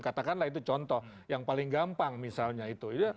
katakanlah itu contoh yang paling gampang misalnya itu